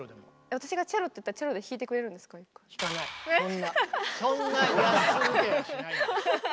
私がチェロって言ったらそんな安請け合いはしない。